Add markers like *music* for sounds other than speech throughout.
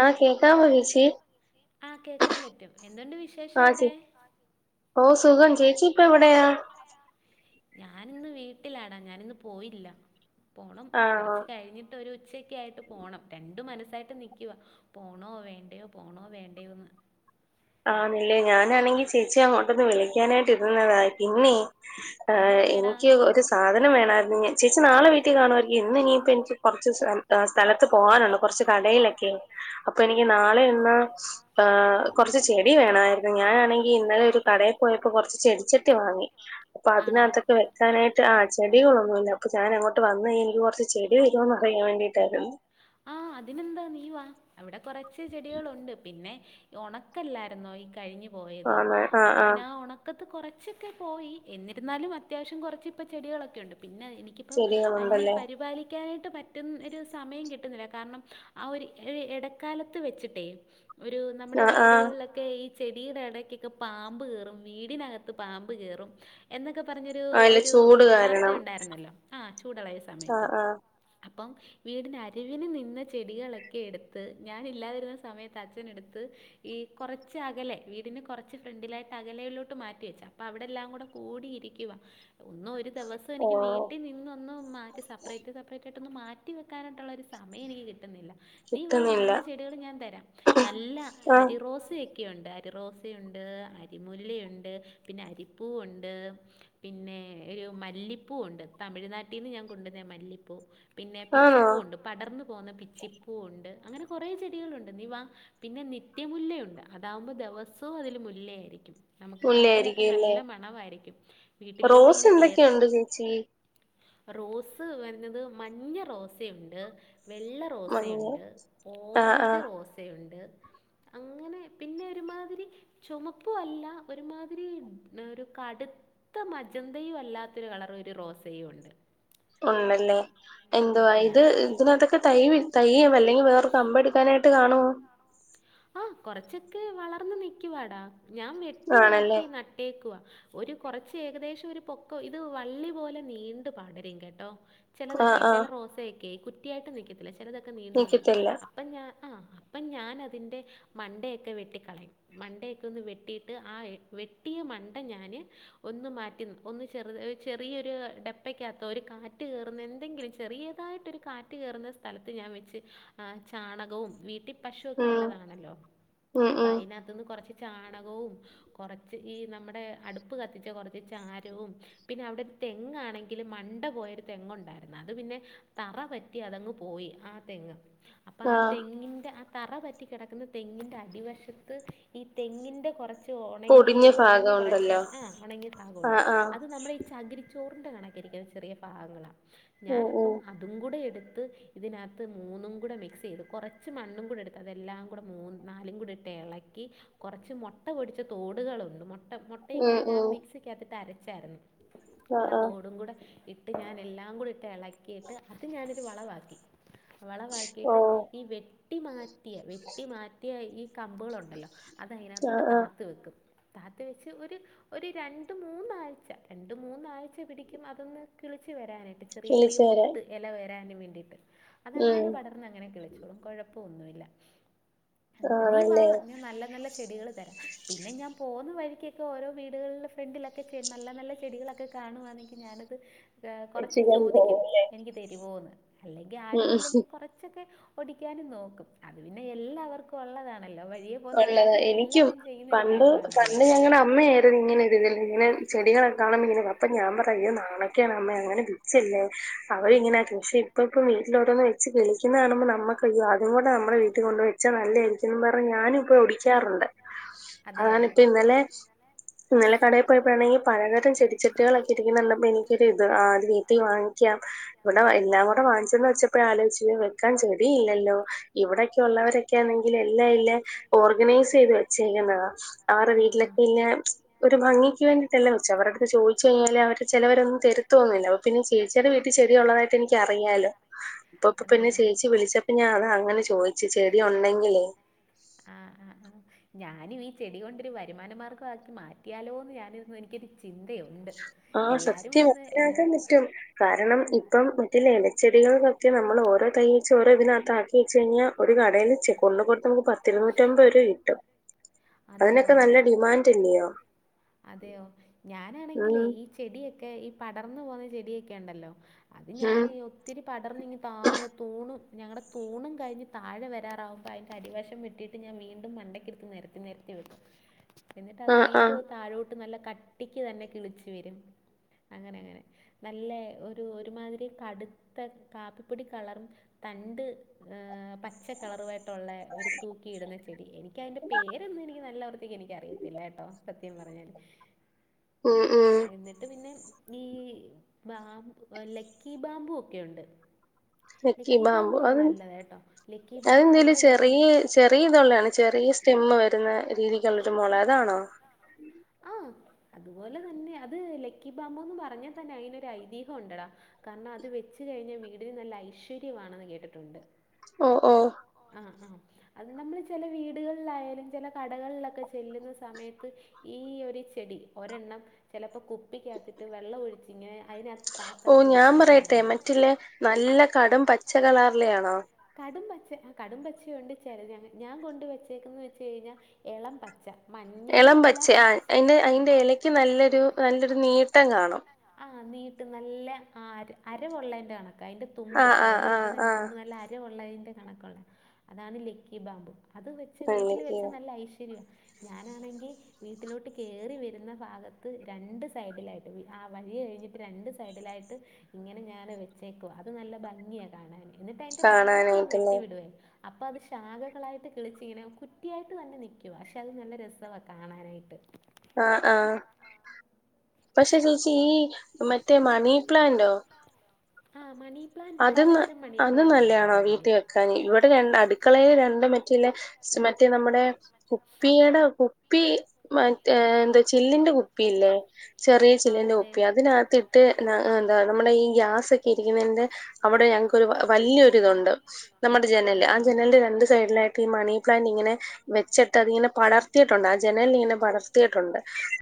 ആഹ് കേക്കാമോ ഏച്ചി ആഹ് കേക്കാൻ പറ്റും എന്തുണ്ട് വിശേഷം അവിടെ? ഓ സുഖം. ചേച്ചിപ്പൊ എവിടെയാ? ഞാനിന്ന് വീട്ടിലാടാ ഞാനിന്ന് പോയില്ല പോണം കൊറച്ച് കഴിഞ്ഞിട്ട് ന്ന്ഒരു ഉച്ചക്കായിട്ട് പോണം, രണ്ട് മനസ്സായിട്ട് നിക്കുവാ. പോണോ വേണ്ടയോ പോണോ വേണ്ടയോന്ന്. ആണില്ലേ ഞാനാണെങ്കി ചേച്ചിയെ അങ്ങോട്ടൊന്ന് വിളിക്കാനായിട്ട് ഇരുന്നതാ പിന്നെ ഏ എനിക്ക് ഒരു സാധനം വേണാര്ന്നു ചേച്ചി നാളെ വീട്ടി കാണുവെങ്കി ഇന്ന് ഇനിപ്പോ എനിക്ക് കൊറച്ച് സ സ്ഥലത്ത് പോകാനുള്ള കുറച്ച് കടയിലൊക്കെ അപ്പൊ എനിക്ക് നാളെ എന്ന കുറച്ച്ചെടി വേണമായിരുന്നു ഞാനാണെങ്കി ഇന്നലെ ഒരു കടയിൽ പോയപ്പോ കുറച്ച് ചെടിച്ചട്ടി വാങ്ങി അപ്പൊ അതിനകത്തൊക്കെ ഞാനായിട്ട് ആഹ് ചെടികളൊന്നുമില്ല. ഒക്ക് ഞാൻ അങ്ങോട്ട് വന്ന എനിക്ക് കുറച്ച് ചെടി തരുമോന്ന് അറിയാൻ വേണ്ടീട്ടായിരുന്നു. ആഹ് അതിനെന്താ നീവാ അവിടെ കൊറച്ച് ചെടികളുണ്ട് പിന്നെ ഒണക്കല്ലായിരുന്നോ ഈ കഴിഞ്ഞ് പോയത് അപ്പൊ പിന്നെ ആ ഒണ പത്ത് കുറച്ചൊക്കെ പോയി, എന്നിരുന്നാലും അത്യാവശ്യം കുറച്ച് ഇപ്പ ചെടികളൊക്കെ ഉണ്ട് പിന്നെ എനിക്ക്- അപ്പം അയിനെ പരിപാലിക്കാനായിട്ട് പറ്റുന്ന ഒരു സമയം കിട്ടുന്നില്ല കാരണം ആ ഒര് ഒര് എടക്കാലത്ത് വെച്ചിട്ടേ ഒരു നമ്മുടെ വീടുകളിലൊക്ക ക്കെ ഈ ചെടിയുടെ ഇടക്കൊക്കെ പാമ്പ് കേറും വീടിനകത്ത് പാമ്പ് കേറും എന്നൊക്കെ പറഞ്ഞൊരു ഒരു വാർത്ത ഉണ്ടായിരുന്നല്ലോ ആഹ് ചൂട്ള്ള ഈ സമയത്ത്. അപ്പം വീടിന് അരിവിന് നിന്ന ചെടികളൊക്കെ എടുത്ത്, ഞാനില്ലാതിരുന്ന സമയത്ത് അച്ഛനെടുത്ത് ഈ കൊറച്ച് അകലെ, വീടിന് കൊറച്ച് ഫ്രണ്ടിലായിട്ട് അകലെല്ലോട്ട് മാറ്റി വെച്ച അപ്പൊ അവിടെ എല്ലാം കൂടെ- കൂടിയിരിക്കുവ ഒന്നും ഒരു ദെവസം എനിക്ക് വീട്ടി നിന്നൊന്ന് മാറ്റി സപ്പറേറ്റ് സപ്പറേറ്റായിട്ടൊന്ന് മാ മാറ്റി വെക്കാനായിട്ടുള്ളോരു സമയം എനിക്ക് കിട്ട്ന്നില്ല. നീവാ നല്ല ചെടികള് ഞാൻ തരാം. നല്ല അരി റോസ് വ- ക്കേയോണ്ട് അരിറോസുണ്ട് അരിമുല്ലയുണ്ട് പിന്നെ അരിപ്പൂവുണ്ട്. പിന്നെ ഒരു മല്ലിപ്പൂ ഉണ്ട് തമിഴ്നാട്ടിന്ന് ഞാൻ കൊണ്ടുന്ന മല്ലിപ്പൂ പിന്നെ പിച്ചിപ്പൂണ്ട് പടർന്ന് പോകുന്ന പിച്ചിപ്പൂ ഉണ്ട് അങ്ങനെ കൊറേ ചെടികള്ണ്ട് നീ വാ പിന്നെ നിത്യമുല്ലയുണ്ട് അതാവുമ്പോ ദിവസവും അതില് മുല്ലയായിരിക്കും നമുക്ക് വീട്ടിലൊക്കെ നല്ല മണവയിരിക്കും വീട്ടിലോട്ട് ഇങ്ങനെ കേറി റോസ് വന്നത്, മഞ്ഞറോസയുണ്ട് വെള്ള - റോസെയുണ്ട് ഓറഞ്ച് റോസെയുണ്ട്. അങ്ങനെ പിന്നെ ഒരുമാതിരി ചുമപ്പു അല്ല ഒരുമാതിരി ഒരു കടു ഇത്ര മജന്തയും അല്ലാത്തൊരു കളർ ഒരു റോസയും ഉണ്ട്. ഉണ്ടല്ലേ എന്തുവാ ഇത് ഇതിനകത്ത് തൈ തയ്യം അല്ലെങ്കിൽ വേറെ കമ്പ ടുക്കാനായിട്ട് കാണുമോ ആഹ് കൊറച്ചൊക്കെ വളർന്ന് നിക്കുവാടാ. ഞാൻ വെട്ടി മാറ്റി നട് ഇട്ടേക്കുവാ. ഒരു കുറച്ച് ഏകദേശം ഒരു പൊക്കം ഇത് വള്ളി പോലെ നീണ്ട് പടരും കേട്ടോ ചിലതൊക്കെ ചില റോസയൊക്കെ കുറ്റിയായിട്ട് നിക്കത്തില്ല ചിലതൊക്കെ നീണ്ടുപടരും. അപ്പം ഞാൻ ആഹ് അപ്പം ഞാനതിൻ്റെ- മണ്ടയൊക്കെ വെട്ടിക്കളയും മണ്ടയൊക്കൊന്ന് വെട്ടിയിട്ട് ആ വെട്ടിയ മണ്ട ഞാന് ഒന്ന് മാറ്റി ഒന്ന് ചെറ ചെറിയൊരു ഡെപ്പക്കതോ ഒരു കാറ്റ് കയറുന്ന എന്തെങ്കിലും ചെറിയ തായിട്ടൊരു കാറ്റ് കേറുന്ന സ്ഥലത്ത് ഞാൻ വെച്ച്, ആഹാ ചാണകവും വീട്ടിൽ- പശുവൊക്കെ ഉള്ളതാണല്ലോ അപ്പൊ അതിനകത്തന്ന് കുറച്ച് ചാണകവും കുറച്ച് ഈ നമ്മടെ അടുപ്പ് കത്തിച്ച കുറച്ച് ചാരവും- പിന്നെ അവിടെ തെങ്ങാണെങ്കിൽ മണ്ട പോയൊരു തെങ്ങ് ഉണ്ടായിരുന്നു അത് പിന്നെ തറ പറ്റി പറ്റി അതങ്ങ് പോയി ആ തെങ്ങ് അപ്പ ആ തെങ്ങിന്റെ തറ പറ്റി കിടക്കുന്ന തെങ്ങിൻ്റെ അടിവശത്ത് ഈ തെങ്ങിൻ്റെ കുറച്ച് തൊ ഉണങ്ങേ ഉണങ്ങി കുറച്ച് ആഹ് ഉണങ്ങിയ ഭാഗുണ്ട്. അത് നമ്മളയി ചഗ്കിരി - ചോറിന്റെ കണക്കേരിക്ക്ന്ന ചെറിയ ഭാഗങ്ങളാ ഞാന്പ്പം അതും കൂടെ എട്ത്ത് ഇതിനകത്ത് മൂന്നും കൂടെ മിക്സെയ്ത് കൊറച്ച് മണ്ണും കൂടെട് അതെല്ലാം കൂടെ മുൻ നാലും കൂടി ഇട്ട് ഇളക്കി കുറച്ച് മൊട്ട പൊടിച്ച തോടുകളുണ്ട്. മൊ - മുട്ട മുട്ട ഇങ്ങനെ ഞാൻ മിക്സിക്കകത് ഇട്ട് അരച്ചായിരുന്നു ആ തോടും കൂടെ ഇട്ട് ഞാൻ എല്ലാം കൂടി ഇട്ട് എള കേട്ട് അത് ഞാനൊരു വളവാക്കി, വളവാക്കിയിട്ട് ഈ വെട്ടി മാറ്റ യാ വെട്ടി മാറ്റിയ ഈ കമ്പുകളുണ്ടല്ലോ അത് അയിനകത്തൊട്ട് താത്ത് വെക്കും. കാത്ത് വെച്ച് ഒരു ഒര് രണ്ട് മൂന്നാഴ്ച്ച രണ്ട് മൂന്നാഴ്ച്ച പിടിക്കും അതൊന്ന് കിളിച്ചു വരാനായിട്ട്. ചെറിയ ചെറിയ മുട്ട് ഇല വരൻ വേണ്ടിട്ട്, അതങ്ങനെ പടർന്ന് അങ്ങനെ കിളിചോളും കുഴപ്പ- ഒന്നുല്ല നീ വ ഞ നല്ല നല്ല ചെടികൾ തരാം. പിന്നെ ഞാൻ പോകു ന്ന വഴികൊക്കെ ഓരോ വീടുകള് ഫ്രണ്ടിലൊക്കെചെ നല്ല നല്ല ചെടികളൊക്കെ - കാണുവാണെങ്കിൽ ഞാനത് കുറച്ച് ചോദിക്കും എനിക്ക് തരുവോന്ന്,? അല്ലെങ്കി ആരും ഇല്ലെങ്കികുറച്ച്- ചോക്കെ ഓടിക്കാനും നോക്കും അതുപിന്നെ എല്ലാവർക്കും ഉള്ളതാണല്ലോ വഴിയേ ഉള്ളത് എനിക്ക് പണ്ട് പണ്ട് ഞങ്ങടെ അമ്മയായിരുന്നു ഇങ്ങനെ ഇങ്ങനെ ചെടികളൊക്കെ കാണണ അപ്പൊ ഞാൻ പറയോ നാണകേടാണ് അമ്മേ അങ്ങനെ പിച്ചല്ലേ അവര് ഇങ്ങനെ ആക്കും പെ ഇപ്പ ഇപ്പ വീട്ടിലോരോന്ന് വെച്ച് കിളിക്കുന്നത കാണുമ്പോ നമ്മക്ക് അയ്യോ അത കൂടെ നമ്മുടെ വീട്ടിൽ കൊണ്ട് വെച്ചാ നല്ലയായിരിക്കും പറഞ്ഞ് ഞാനും ഇപ്പോ ഒടി ചെയ്യാറുണ്ട് അതണിപ്പ ഇന്നലെ ഇന്നലെ കടയിൽ പോയപ്പോഴാണെങ്കിൽ പലതരം ചെടിച്ചെട്ടികളൊക്കെ ഇരിക്കുന്ന കണ്ടപ്പോ എനിക്ക് ഒര്ത് ആഹ് ഇത് വീട്ടൽ വാങ്ങിക്ക്യം. ഇവിടെ എല്ലാം കൂടെ വാങ്ങിച്ച്ന്ന് വെച്ച- ഇപ്പഴ ആലോചിച്ചത് വെക്കാൻ ചെടിയില്ലല്ലോ ഇവിടൊക്കെ ഉള്ളവരൊക്കെയ ആണെങ്കിൽ എല്ലാം ഇല്ല ഓർഗനൈസ് ചെയ്ത് വെച്ചേക്കുന്നാ അവരുടെ വീട്ടിലൊക്കെ ഇന്നെ ഒരു ഭംഗിക്ക് വേണ്ടിട്ടല്ലേ വെച്ചു അവരടുത്ത ചോദിച്ചു കഴിഞ്ഞാല് അവര് ചിലവരോന്ന് തെ തോന്നില്ല. അപ്പ പിന്നെ ചേച്ചിയുടെ വീട്ടിൽ ചെടി ഉള്ളതായിട്ട് എനിക്ക് അറിയാലോ? അപ്പ പിന്നെ ചേച്ചി വിളിച്ച- ഞാൻ അത അങ്ങനെ ചോദിച ചെടി ഉണ്ടെങ്കിലേ ആഹ് ആഹ് ആഹ് ഞാനും ഈ ചെടികൊണ്ടൊരു വരുമാന മാർഗാക്കി മാറ്റിയാലോന്ന് ഞാന് ഞാനി എനിക്കൊരു ചെ ചിന്തയുണ്ട് എല്ലാരും വന്ന് *unintelligible* കാരണം ഇപ്പം ഇതില്ലേ ഇലച്ചെടികൾക്കൊക്കെ നമ്മൾ ഓരോ തയ്യ വച്ച് ഓരോ ഇതിനകത്ത് ആക്കി വെച്ച് കഴിഞ്ഞാൽ ഒരു കടെല് ചെ കൊണ്ട് കൊടുത്ത പത്തിരുന്നൂറ്റമ്പത് രൂപ കിട്ടും. അതിനൊക്കെ നല്ല ഡിമാൻഡില്ലയോ അതെയോ ഞാനാണെങ്കിലേ ഈ ചെടിയൊക്കെ ഈ പടർന്നു പോകുന്ന ചെടിയൊക്കെ ഉണ്ടല്ലോ അത് ഞാനി ഒത്തിരി പടർന്നിങ്ങ് താഴെ തൂണും ഞങ്ങളുടെ തൂണും കഴിഞ്ഞ് താെഴെ വരാറകുമ്പോ അതിൻ്റെ അടിവശം വെട്ടിയിട്ട് ഞാൻ വീണ്ടും മണ്ടയ്ക്ക്ടത്ത് നെരത്തി നെരത്തി വെക്കും എന്നിട്ട് അത് വീണ്ടും അ താഴോട്ട് നല്ല കട്ടിക്ക് തന്നെ കിളിച് വെരും അങ്ങനെ അങ്ങനെ നല്ല ഒരു ഒരുമാതിരി കടുത്ത കാപ്പിപ്പൊടി കളറും തണ്ട് പച്ച കളറുവായിട്ടുള്ള ഒരു തൂക്കിയിടുന്ന ചെടി എനി ക്ക് അതിന്റെ പേരന്നും എനിക്ക് നല്ലവറത്തേക്ക് എനിക്കറിയത്തില്ല കേട്ടോ സത്യം പറഞ്ഞാല് എന്നിട്ട് പിന്നെ ഈ ബാ ലക്കി ബാമ്പൂ ഒക്കെയുണ്ട്. ലക്കി ബാമ്പു ഒക്കെ നല്ലതാട്ടോ ലക്കി ബാമ്പു ഞങ്ങളടെ വീടിന്റെ ചെറിയ ഇതൊള്ളയാണോ? ചെറിയ സ്റ്റെം വരുന്ന രീതിക്കുള്ളൊരു മുള അതാണോ? ആ ആ അതുപോലെ തന്നെ അത് ലക്കി ബാമുന്ന് പറഞ്ഞാൽ തന്നെ അയിന് ഒരു ഐതിഹം ഉണ്ടടാ. കാരണം അത് വെച്ച് കഴിഞ്ഞാൽ വീടിന് നല്ല ഐശ്വര്യമാണെന്ന് കേട്ടിട്ടുണ്ട്. ഓഹ് ഓഹ് ആഹ് ആഹ് അത് നമ്മള് ചെല വീട്കളിലായാലും ചെല കടകളിലൊക്കെ ചെല്ലുന്ന സമയത്ത് ഈ ഒരു ചെടി ഒരെണ്ണം ചിലപ്പോ കുപ്പിക്കത്തിട്ട് വെള്ളമൊഴിച്ച് പിന്നെ അയി ഓ ഞാൻ പറയട്ടെ മറ്റില്ലേ നല്ല കടും പച്ചകളാറിലെ ആണോ? കടും പച്ച ആ കടും പച്ച കൊണ്ട് ച ഞാൻ കൊണ്ട് വച്ചേക്കെന്ന് വെച്ച കഴിഞ്ഞാൽ എളം പച്ച മഞ്ഞിയും അല്ലാ പച്ച് ആ എലക്ക് നല്ലൊരു നല്ലൊരു നീട്ടം കാണും ആഹ് നീട്ട് നല്ല അരവുള്ളതിന്റെ കണക്ക അതിന്റെ തുമ്പ് അയെലയൊക്കെ നല്ല തുമ്പ് നല്ല അരവുള്ളതിൻ്റെ കണക്കുള്ള അതാണ് ലക്കിബാമ്പ് അത് വെ പക്ഷേ വീട്ടില് വെച്ച നല്ല ഐശ്വര്യാവാ ഞാനാണെങ്കിൽ വീട്ടിലോട്ട് കയറി വരുന്ന ഭാഗത്ത് രണ്ട് സൈഡിലായി ആ വഴി കഴിഞ്ഞിട്ട് രണ്ട് സൈഡിലായിട്ട് ഇങ്ങനെ ഞാന് വെച്ചേക്കുവാ അത് നല്ല ഭംഗിയാ കാണാന് എന്നിട്ട് അയ്ന്റെ മണ്ട ഞാൻ വെട്ടി വിടുവേ അപ്പ അത് ശാഖകളായിട്ട് കിളിച്ച്ങ്ങനെ കുറ്റിയായിട്ട് തന്നെ നിക്കും പക്ഷെ അത് നല്ല രസവാ കാണാനായിട്ട് ആഹ ആഹ പക്ഷെ ചേച്ചി ഈ മറ്റേ മണി പ്ലാന്റോ? ആഹ് മണി പ്ലാന്റ് പലതരം മണി പ്ലാന്റ് ഉണ്ട് എന്റെ കയ്യില്. ക ഇവിടെ ര അടുക്കളയില് രണ്ടും മറ്റല്ല മറ്റേ നമ്മുടെ കുപ്പിയുടെ കുപ്പി മറ്റ എന്താ ചില്ലിന്റെ കുപ്പിയില്ലേ ചെറിയ ചില്ലിന്റെ കുപ്പിയാ അതിനകത്തിട്ട് എന്താ നമ്മുടെ ഈ ഗ്യാസ് ഒക്കെ ഇരിക്കുന്നതിന്റെ അവിടെ ഞങ്ങക്കൊരു വലിയൊരു ഇതുണ്ട് നമ്മുടെ ജനല് ആ ജനലിന്റെ രണ്ട് സൈഡിലായി ഈ മണി പ്ലാന്റിങ്ങനെ വെച്ചിട്ട് അത്ങ്ങനെ പടർത്തിയിട്ടുണ്ട് ആ ജനലില്ങ്ങനെ പടർത്തിയിട്ടുണ്ട്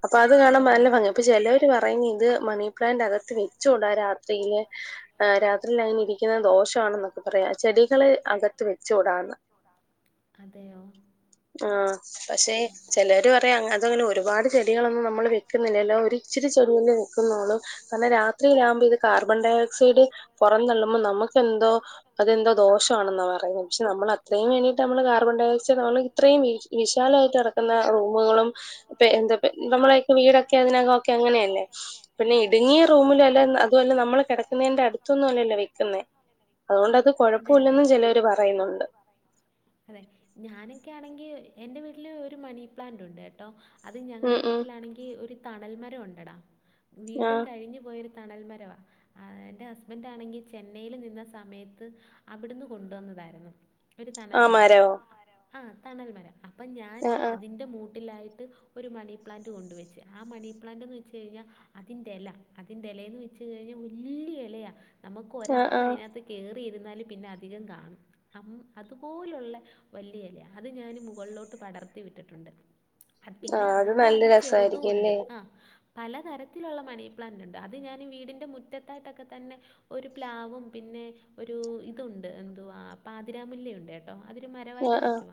അപ്പൊ അത് കാണാ നല്ല ഭംഗിയാ അപ്പൊ ചെലോ പറഞ്ഞത് മണിപ്ലാന്റ് അകത്ത് വെചൂടാ രാത്രിയില് രാത് ഇരിക്കുന്ന ദോഷവാണെന്നൊക്കെ പറയാം ചെടികളെ അകത്ത് വെച്ചുടാന്ന് അതെയോ ആഹ പക്ഷെ ചെലവര് പറയാ അങ്ങ അതങ്ങനെ ഒരുപാട് ചെടികളൊന്നും നമ്മള് വെക്കുന്നില്ലല്ലോ ഒരു ഇച്ചരി ചൊരുണ്ടി നിൽക്കുനുളു കാരണം രാത്രി ഇത്ര ഗ്രാം ഇത് കാർബൺ ഡൈ ഓക്സൈഡ് പുറം തള്ളുമ്പോൾ നമുക്കെന്തോ അതെന്തോ ദോഷമാണെന്നാ പറയുന്നത് പക്ഷെ നമ്മൾ അത്രയും വേണ്ടിയിട്ട് നമ്മള് കാർബൺ ഡയ ഓക്സൈഡ് *unintelligible* ഇത്രയും വിശാലായിട്ട് നടക്കുന്ന റൂമുകളും എന്താ നമ്മളെ വീടൊക്കെ അതിനകൊക്കെ അങ്ങനെയല്ലേ പിന്നെ ഇടുങ്ങിയ റൂമിൽ അല്ല അതുമല്ല നമ്മള് കിടക്കുന്നതിന്റെ അടുത്ത് *unintelligible* വെക്കുന്നേ അതുകൊണ്ട് അത് കുഴപ്പമില്ലെന്നും ചെലർ പറയുന്നുണ്ട് അതെ ഞാനൊക്കെയാണെങ്കിൽ എന്റെ വീട്ടില് ഒരു മണി പ്ലാന്റ് ഉണ്ട് കേട്ടോ. അത് ഞങ്ങടെ വീട്ടിലാണെങ്കി ഒരു തണൽമരം ഉണ്ടെടാ വീടും കഴിഞ്ഞു പോയൊ തണൽ മരവാ. എന്റെ ഹസ്ബൻറ് ആണെങ്കിൽ ചെന്നൈൽ നിന്ന സമയത്ത് അവിടുന്ന് കൊണ്ടുവന്നതായിരുന്നു. തണൽമര ആ തണൽമരം അപ്പൊ ഞാന് അതിന്റെ മൂട്ടിലായിട്ട് ഒരു മണി പ്ലാന്റ് കൊണ്ടുവെച്ച് ആ മണി പ്ലാന്റ്ന്ന് വെച്ച് കഴിഞ്ഞാ അതിന്റെ യല അതിന്റെ ഇലയന്ന് വെച്ച് കഴിഞ്ഞാൽ വലിയ ഇലയാ നമുക്ക് ഒരാള് അയിനകത്ത് കേറിയിരുന്നാല് പിന്നെ അധികം കാണുല്ല അമ്മാ അതുപോലുള്ള വലിയ ഇല അത് ഞാന് മുകളിലോട്ട് പടർത്തി വിട്ടിട്ടുണ്ട്. പിന്നെ അതിന്റെ തന്നെ ചെറുതും ഉണ്ട് ആഹ് പലതരത്തിലുള്ള മണി പ്ലാന്ൻറ് ഉണ്ട് അത് ഞാൻ വീടിൻ്റെ മുറ്റത്തായിട്ടൊക്കെ തന്നെ ഒരു പ്ലാവും പിന്നെ ഒരു ഇതുണ്ട് എന്തുവാ പാതി രാമല്യുണ്ട് കേട്ടോ അതരു മരമായിായിട്ട് നിൽക്കുവ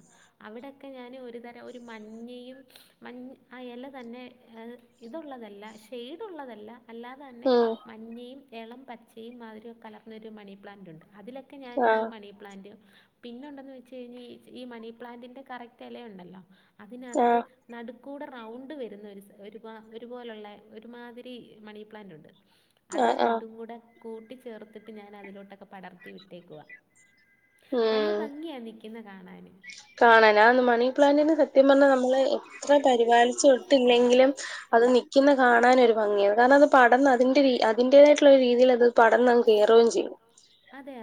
അവിടെയൊക്കെ ഞാൻ ഒരു തരം ഒരു മഞ്ഞയും മഞ് ആ ഇല തന്നെ ഞാൻ ഇതുള്ളതല്ല ഷെയ്ഡ് ഉള്ളതല്ല അല്ലാ അതു തന്നെ മഞ്ഞയും എളം പച്ചയും മാതിരി കലർന്നൊരു മണി പ്ലാന്റ് ഉണ്ട്. അതിലൊക്കെ ഞാൻ ഈ മണി പ്ലാന്റ് പിന്നുണ്ടെന്ന് വെച്ചഴിഞ ഈ മണിപ്ലാന്റിന്റെ കറത്ത എലയുണ്ടല്ലോ അതിനകത്ത് നടുക്കൂടെ റൗണ്ട് വരുന്ന ഒരു ഒരുപ ഒരുപോലെള്ള ഒരുമാതിരി മണി പ്ലാന്റുണ്ട് അത് രണ്ടും കൂടെ കൂട്ടി ചേർത്തിട്ട് ഞാൻ അതിലോട്ടൊക്കെ പടർത്തി വിട്ടേക്കവാ നല്ല ഭംഗിയ നിക്കുന്ന കാണാന് കാണാനാ മണി പ്ലാന്റിന് സത്യം പറഞ്ഞാൽ നമ്മളെ അത്ര പരിപാലിച്ചു ഇട്ടില്ലെങ്കിലും അത് ക്കുന്ന കാണാനൊരു ഭംഗിയാ കാരണം അത് പടർന്ന് അതിന്റെ അതിന്റേതായിട്ടുള്ള ഒരു രീതിയിൽ അത് പടർന്നങ്ങ് കേറും ചെയ്യും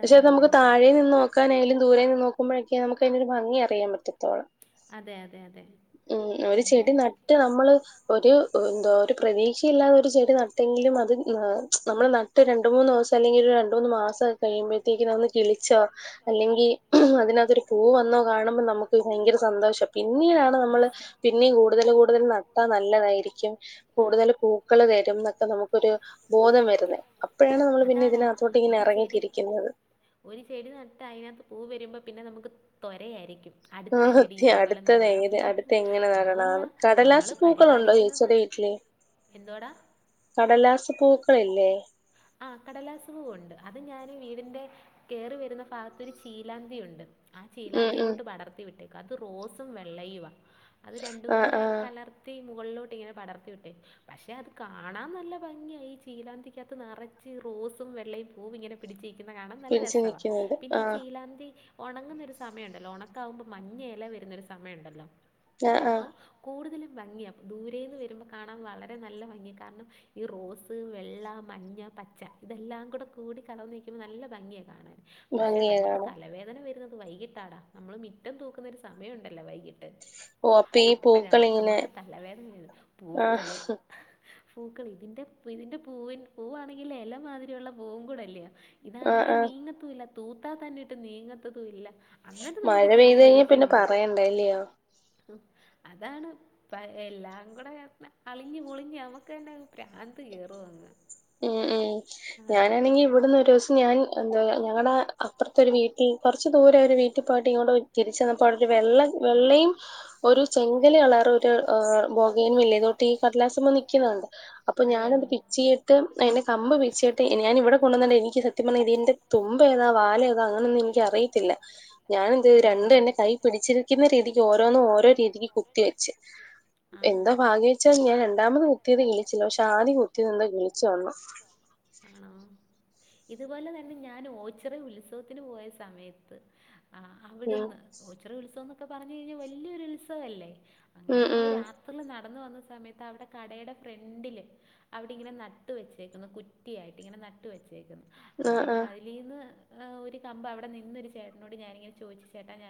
പക്ഷെ അത് നമക്ക് താഴെ നിന്ന് നോ നക്കാനായാലും ദൂരേ നോക്കുമ്പോഴക്ക നമുക്ക് അതിനൊരു ഭംഗി അറിയാൻ പറ്റത്തുള്ളൂ. അതെ അതെ അതെ ഉം ഒരു ചെടി നട്ട് നമ്മള് ഒരു എന്തോ ഒരു പ്രതീക്ഷയില്ലാതെ ഒരു ചെടി നട്ടെങ്കിലും അത് നമ്മൾ ന രണ്ട മൂന്ന് ദിവസം അല്ലെങ്കിൽ ഒരു രണ്ട മൂന്ന് മാസം കഴിയുമ്പഴത്തേക്ക ഒന്ന് കിളിച്ച അല്ലെങ്കിൽ അതിനകതൊരു പൂവന്നോ കാണുമ്പോ നമുക്ക് ഭയങ്കര സന്തോഷം പിന്നീടാണ് നമ്മള് പിന്നെ കൂടുതൽ കൂടുതൽ ന നല്ലതായിരിക്കും കൂടുതൽ പൂക്കള് തരും എന്നൊക്കെ നമുക്കൊരു ബോധം വരുന്നത് അപ്പോഴാണ് നമ്മൾ പിന്നെ ഇതിനകത്തോട്ട് ഇങ്ങനെ ഇറങ്ങിത്തിരിക്കുന്നത്. ഒരു ചെടി നട്ട അയിനകത്ത് പൂവ് വരുമ്പോൾ പിന്നെ നമുക്ക് തൊരയായിരിക്കും അടുത്ത ചെടി ഇതേപോലെ നടണം അതുമല്ല നമ്മള് പരിപാലിക്കുന്നത് എന്തുവാടാ? കടലാസ് പൂക്കളില്ലേ ആ കടലാസ് പൂവുണ്ട് അത് ഞാൻ വീടിന്റെ കേറി വെരുന്ന ഭാഗത്തൊരു ചീലാന്തിയുണ്ട് ആ ചീലാന്തിയിലോട്ട് പടർത്തി വിട്ടേക്കും അത് റോസും വെള്ളയുവാ. അത് രണ്ടും കൂടെ കലർ ത്തി മുകളിലോട്ട് ഇങ്ങനെ പടർത്തി വിട്ട് പക്ഷെ അത് കാണാൻ നല്ല നല്ലഭംഗിയാ ഈ ചീലാന്തിക്കകത്ത് നെറച്ച് റോസും വെള്ളയും പൂവിങ്ങനെ പിടിച്ചക്കുന്ന കാണാൻ നല്ല രസമാണ് പിന്നെ ഈ ചീലാന്തി ഒണങ്ങുന്നൊരു സമയണ്ടല്ലോ ഉണക്കാവുമ്പോ മഞ്ഞയെല വരുന്നൊരു സമയണ്ടല്ലോ? അപ്പം കൂടുതലും ഭംഗിയാ ദൂരെന്ന് വരുമ്പോ കാണാൻ വളരെ നല്ല ഭംഗിയാ കാരണം ഈ റോസ്, വെള്ള, മഞ്ഞ, പച്ച ഇതെല്ലാം കൂടെ കൂടി കലർന്ന് നിക്കുമ്പോ നല്ല ഭംഗിയാ കാണാൻ. പക്ഷെ നമക്ക് തലവേദന വെരുന്നത് വൈകിട്ടാടാ നമ്മള് മിറ്റം തൂക്കുന്നൊരു സമയം ഉണ്ടല്ലോ വൈകിട്ട് അപ്പഴാണ് നമക്ക് തലവേദന പൂക്കള് ഇതിന്റെ ഇതിന്റെ പൂവി പൂവാണെങ്കിൽ ഇലമാതിരിയ ഉള്ള പൂവും കൂടെ അല്ലേ ഇതാണെങ്കി നീങ്ങത്തും ഇല്ല തൂത്താ തന്നെട്ട് നീങ്ങത്തതും ഇല്ല. അന്നിട്ട് നമുക്ക് ചെറിയ ദേഷ്യം വരും. ഉ അതാണ് പ എല്ലാം കൂടെ അളിഞ്ഞു പൊളിഞ്ഞു നമുക്ക് തന്നെ അങ്ങ് അന്ത് ഹീറോ വാങ്ങ ഉം ഉം ഞാനാണെങ്കി ഇവിടുന്ന് ഒരു ദിവസം ഞാൻ എന്താ ഞങ്ങളടെ അ അപ്പറത്ത ഒരു വീട്ടിൽ കുറച്ച് ദൂരെ ഒരു വീട്ടിൽ പോയിട്ട് ഇങ്ങോട്ട് തിരിച്ചെന്നപ്പോരു വെള്ളം വെള്ളയും ഒരു ചെങ്കല് അളറ് ഒരു ബോഗേവില്ലേ ഇതൊട്ട് ഈ കടലാസമ്മ നിൽക്കുന്നണ്ട് അപ്പൊ ഞാനത് പിച്ചിട്ട് എന്റെ കമ്പ് പിച്ചിട്ട് ഞാൻ ഇവിടെ കൊണ്ടുവന്നണ്ടണ്ട് എനിക്ക് സത്യം പറഞ്ഞത് ഇത് എന്ത് തുമ്പ് ഏതാ വാല് ഏതാ അങ്ങനൊന്നും എനിക്ക് അറിയത്തില്ല ഞാന് എന്ത് രണ്ട് എന്റെ കൈ പിടിച്ചിരിക്കുന്ന രീതിക്ക് ഓരോന്നും ഓരോ രീതിക്ക് കുത്തി വെച്ച് എന്താ ഭാഗ്യെച്ചാൽ ഞാൻ രണ്ടാമത് കുത്തിയത് കളിച്ചില്ലോ പക്ഷെ ആദ്യം കുത്തിയത് എന്താ കളിച്ച ചൊമ ആണോ ഇതുപോലെ തന്നെ ഞാൻ ഓച്ചറ ഉത്സവത്തിന് പോയ സമയത്ത് ആഹ് അവിടുന്ന് ഓച്ചെറിയ ഉത്സവം എന്നൊക്കെ പറഞ്ഞു കഴിഞ്ഞാൽ വലിയൊരു ഉത്സവല്ലേ അങ്ങനെ നമ്മൾ രാത്രി പള് നടന്ന വന്ന സമയത്ത് അവിടെ കടയുടെ ഫ്രണ്ടില് അവിടെ ഇങ്ങനെ നട്ട് വെച്ചേക്കുന്നു കുറ്റിയായിട്ട് ഇങ്ങനെ നട്ട് വെച്ചേക്കുന്ന് അപ്പൊ പിന്നെ അതിൽന്ന് ഒരു കമ്പ് അവിടെ നിന്നൊരു ചേട്ടനോട് ഞാന് ഇങ്ങനെ ചോദിച്ചു ചേട്ടാ ഞ